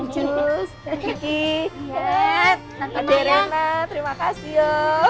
jus tante ki nek tante rena terima kasih ya